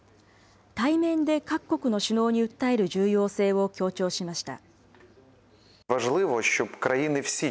対面で各国の首脳に訴える重要性を強調しました。